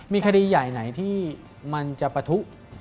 มีคดีใหญ่ไหนที่มันจะปะทุ